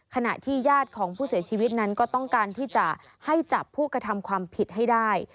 ขณะที่ญาติของผู้เสียชีวิตนั้นก็ต้องการที่จะให้จับผู้กระทำความผิดให้ได้